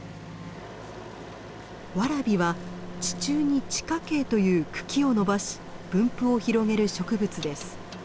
ワラビは地中に「地下茎」という茎を伸ばし分布を広げる植物です。